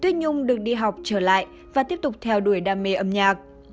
tuyết nhung được đi học trở lại và tiếp tục theo đuổi đam mê âm nhạc